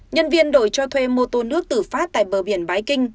nhân viên đội cho thuê mô tô nước tử phát tại bờ biển bái kinh